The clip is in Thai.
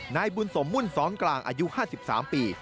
นายบุญสมมุ่นซ้อนกลางอายุ๕๓ปี